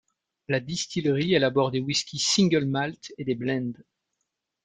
La distillerie élabore des whiskys single malts et des blends.